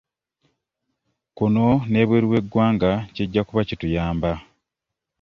Kuno n'ebweru w'eggwanga kijja kuba kituyamba.